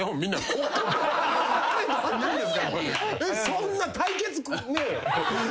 そんな対決ねえ。